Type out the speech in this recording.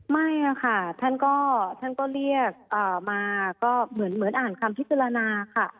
ไม่ค่ะท่านก็เรียกมาก็เหมือนอ่านคำพิจารณาค่ะ